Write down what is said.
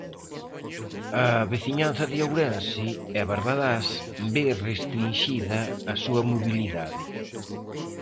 A veciñanza de Ourense e Barbadás ve restrinxida a súa mobilidade.